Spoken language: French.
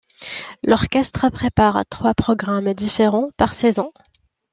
L'orchestre prépare trois programmes différents par saison.